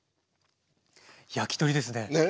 焼き鳥ですね！ね？